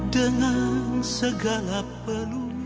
dengan segala peluhi